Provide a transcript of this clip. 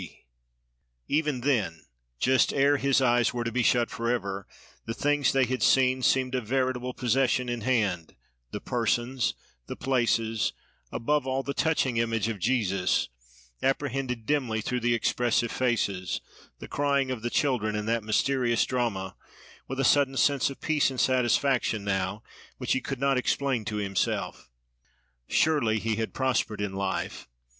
+ Even then, just ere his eyes were to be shut for ever, the things they had seen seemed a veritable possession in hand; the persons, the places, above all, the touching image of Jesus, apprehended dimly through the expressive faces, the crying of the children, in that mysterious drama, with a sudden sense of peace and satisfaction now, which he could not explain to himself. Surely, he had prospered in life!